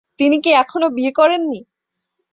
তিনি কি এখনো বিয়ে করেননি?